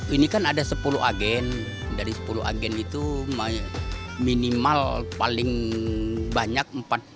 ini kan ada sepuluh agen dari sepuluh agen itu minimal paling banyak empat puluh empat puluh lima